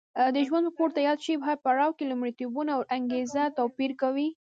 د ژوند په پورته یاد شوي هر پړاو کې لومړیتوبونه او انګېزه توپیر کوي.